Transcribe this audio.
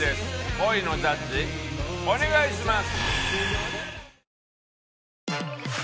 恋のジャッジお願いします。